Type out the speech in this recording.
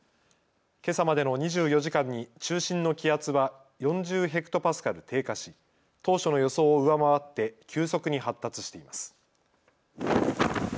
けさまでの２４時間に中心の気圧は４０ヘクトパスカル低下し当初の予想を上回って急速に発達しています。